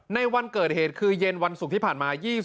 ในวันเกิดเหตุคือเย็นวันศุกร์ที่ผ่านมา